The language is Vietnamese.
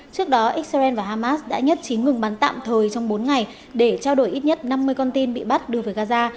trước đó israel và hamas đã nhất trí ngừng bắn tạm thời trong bốn ngày để trao đổi ít nhất năm mươi con tin bị bắt đưa về gaza